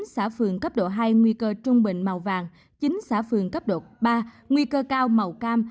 một mươi xã phường cấp độ hai nguy cơ trung bình màu vàng chín xã phường cấp độ ba nguy cơ cao màu cam